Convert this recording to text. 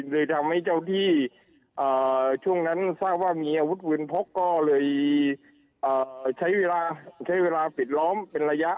เลยทำให้เจ้าที่ช่วงนั้นทราบว่าเมียวุฒิวินพรกก็เลยใช้เวลาปิดล้อมเป็นระยะ